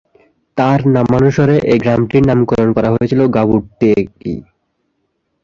তাঁর নামানুসারে এই গ্রামটির নামকরণ করা হয়েছিল গাবুর্তেকি।